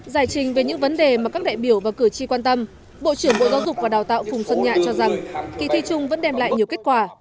giải trình về những vấn đề mà các đại biểu và cử tri quan tâm bộ trưởng bộ giáo dục và đào tạo phùng xuân nhạ cho rằng kỳ thi chung vẫn đem lại nhiều kết quả